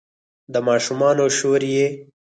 د ماشومانو شور یې